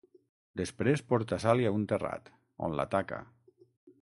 Després porta Sally a un terrat on l'ataca.